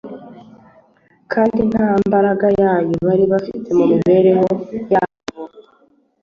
kandi nta mbaraga Yayo bari bafite mu mibereho yabo.